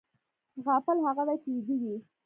غافل هغه دی چې ویده وي